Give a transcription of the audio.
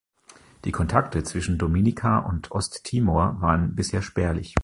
Die Kontakte zwischen Dominica und Osttimor waren bisher spärlich.